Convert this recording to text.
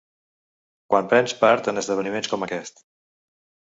Quan prens part en esdeveniments com aquests